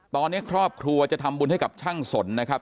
ตอนนี้ครอบครัวจะทำบุญให้กับช่างสนนะครับ